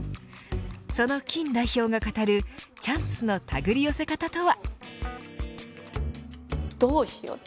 その金代表が語るチャンスのたぐり寄せ方とは。